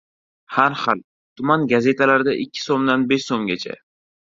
Har xil. Tuman gazetalarida ikki so‘mdan besh so‘mgacha.